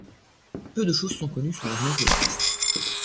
Peu de choses sont connues sur la jeunesse de l'artiste.